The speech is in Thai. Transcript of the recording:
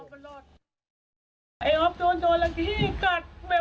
หนูอ่ะหนูตู้กับจราเข้